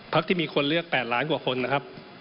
ที่มีคนเลือก๘ล้านกว่าคนนะครับ